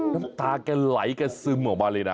น้ำตาแกไหลแกซึมออกมาเลยนะ